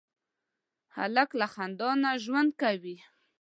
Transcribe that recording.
هلک له خندا ژوند کوي.